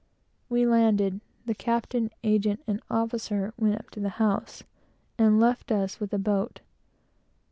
We landed; the captain, agent, and officer went up to the house, and left us with the boat.